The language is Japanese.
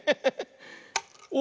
お！